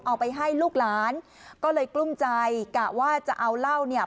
เอาไปให้ลูกหลานก็เลยกลุ้มใจกะว่าจะเอาเหล้าเนี่ย